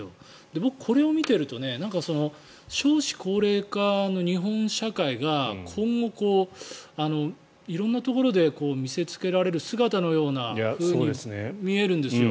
僕、これを見ていると少子高齢化の日本社会が今後、色んなところで見せつけられる姿のようなふうに見えるんですよ。